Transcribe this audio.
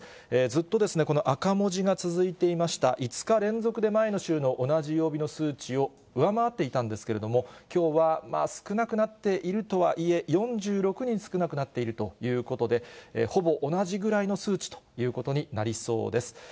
ずっとこの赤文字が続いていました、５日連続で前の週の同じ曜日の数値を上回っていたんですけれども、きょうは少なくなっているとはいえ、４６人少なくなっているということで、ほぼ同じぐらいの数値ということになりそうです。